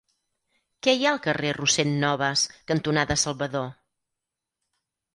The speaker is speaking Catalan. Què hi ha al carrer Rossend Nobas cantonada Salvador?